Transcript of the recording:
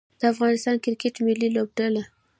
د افغانستان کرکټ ملي لوبډله